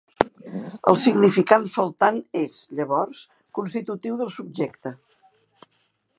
El significant faltant és, llavors, constitutiu del subjecte.